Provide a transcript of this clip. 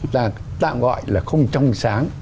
ta tạm gọi là không trong sáng